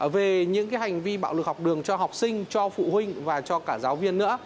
về những hành vi bạo lực học đường cho học sinh cho phụ huynh và cho cả giáo viên nữa